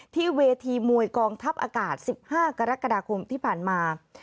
เวทีมวยกองทัพอากาศ๑๕กรกฎาคมที่ผ่านมา